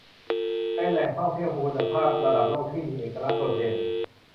เป็นแหล่งท่องเที่ยวคุณภาพระดับโลกที่มีเอกลักษณ์โดดเด่น